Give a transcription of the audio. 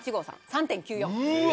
３．９４。